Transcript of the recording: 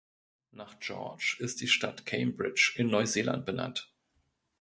Nach George ist die Stadt Cambridge in Neuseeland benannt.